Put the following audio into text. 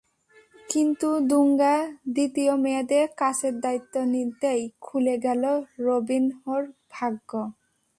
কিন্তু দুঙ্গা দ্বিতীয় মেয়াদে কোচের দায়িত্ব নিতেই খুলে গেল রবিনহোর ভাগ্য।